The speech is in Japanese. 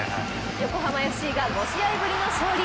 横浜ＦＣが５試合ぶりの勝利。